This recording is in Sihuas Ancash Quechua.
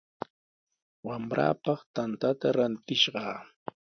Wamraapaq tantata rantishqaa.